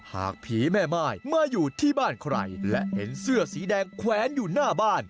หากผีแม่ม่ายมาอยู่ที่บ้านใครและเห็นเสื้อสีแดงแขวนอยู่หน้าบ้าน